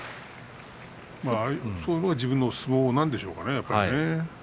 そういうのが自分の相撲なんでしょうかね。